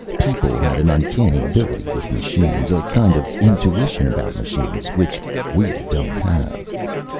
People had an uncanny ability with machines. A kind of intuition about machines which we don't have."